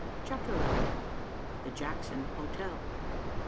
CHAPTER ELEVEN. THE "JACKSON HOTEL."